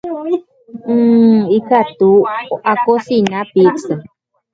Hmm. Ikatu akosina pizza.